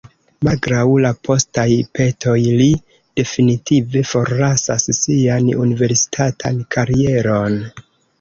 Malgraŭ la postaj petoj, li definitive forlasas sian universitatan karieron.